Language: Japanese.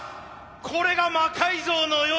これが「魔改造の夜」。